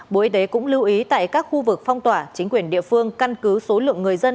bộ y tế cũng lưu ý tại các khu vực phong tỏa chính quyền địa phương căn cứ số lượng người dân